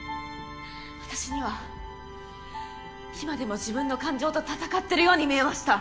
私には今でも自分の感情と闘ってるように見えました。